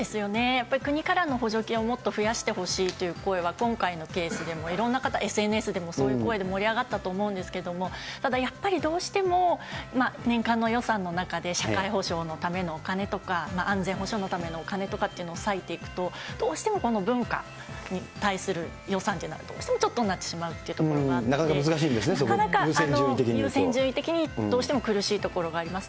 やっぱり国からの補助金をもっと増やしてほしいという声は、今回のケースでもいろんな方、ＳＮＳでもそういう声で盛り上がったと思うんですけど、ただ、やっぱりどうしても年間の予算の中で社会保障のためのお金とか、安全保障のためのお金とかというのを割いていくと、どうしても文化に対する予算というのはどうしてもちょっとになっなかなか難しいんですね、そこ、優先順位的に。優先順位的にいうと、どうしても苦しいところがあります。